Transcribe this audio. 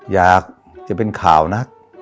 อยากจะเป็นข่าวนัก